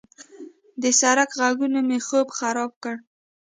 د سړک غږونه مې خوب خراب کړ.